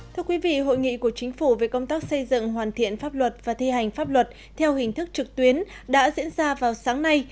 thưa quý vị hội nghị của chính phủ về công tác xây dựng hoàn thiện pháp luật và thi hành pháp luật theo hình thức trực tuyến đã diễn ra vào sáng nay